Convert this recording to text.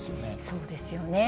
そうですよね。